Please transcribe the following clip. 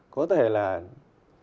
có thể là những người quản lý